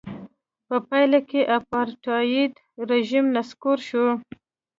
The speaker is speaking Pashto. په پایله کې اپارټایډ رژیم نسکور شو.